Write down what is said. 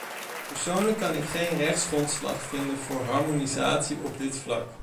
Persoonlijk kan ik geen rechtsgrondslag vinden voor harmonisatie op dit vlak.